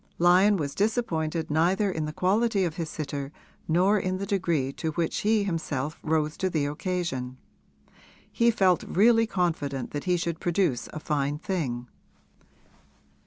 Lyon was disappointed neither in the quality of his sitter nor in the degree to which he himself rose to the occasion; he felt really confident that he should produce a fine thing.